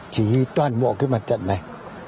chỉ toàn bộ cái mặt trận này